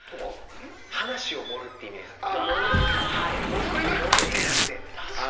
「盛ってなくて」ね。